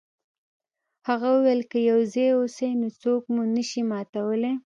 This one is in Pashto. هغه وویل که یو ځای اوسئ نو څوک مو نشي ماتولی.